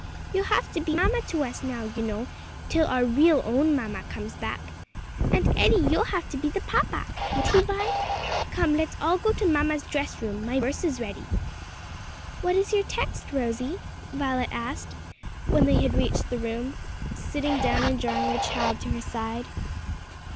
you'll have to be mamma to us now, you know, till our real own mamma comes back. And, Eddie, you'll have to be the papa. Won't he, Vi? Come, let's all go to mamma's dress room; my verse is ready." "What is your text, Rosie?" Violet asked when they had reached the room, sitting down and drawing the child to her side.